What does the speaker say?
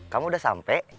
kamu udah sampe